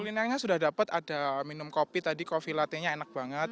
kulinernya sudah dapat ada minum kopi tadi kopi lattenya enak banget